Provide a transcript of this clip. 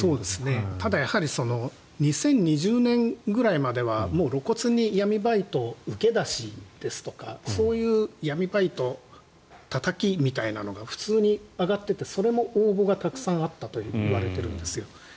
ただ２０２０年ぐらいまでは露骨に闇バイト受け出しですとかそういう闇バイトたたきみたいなのが普通に上がっていてそれの応募がたくさんあったといわれているんですよ。